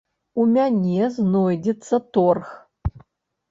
У мяне знойдзецца торг.